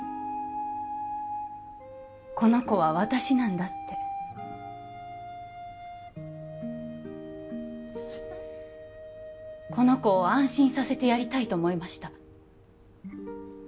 この子は私なんだってこの子を安心させてやりたいと思いました